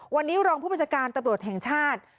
วันนี้รองผู้บัญชาการตำรวจแห่งชาติ